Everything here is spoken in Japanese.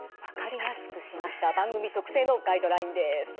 分かりやすくしました番組特製のガイドラインです。